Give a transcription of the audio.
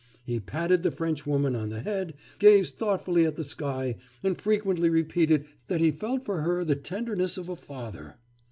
He patted the Frenchwoman on the head, gazed thoughtfully at the sky, and frequently repeated that he felt for her the tenderness of a father.